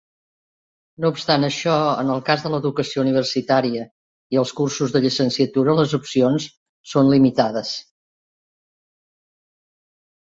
No obstant això, en el cas de l'educació universitària i els cursos de llicenciatura les opcions són limitades.